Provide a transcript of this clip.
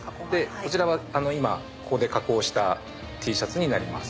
こちらは今ここで加工したＴシャツになります。